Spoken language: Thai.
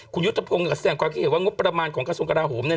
คุณยุทธพงศ์ก็แสดงความคิดเห็นว่างบประมาณของกระทรวงกราโหมเนี่ย